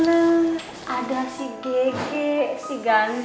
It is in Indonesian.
ada si gege si ganteng